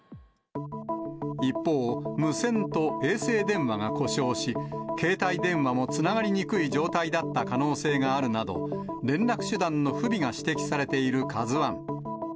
一方、無線と衛星電話が故障し、携帯電話もつながりにくい状態だった可能性があるなど、連絡手段の不備が指摘されているＫＡＺＵＩ。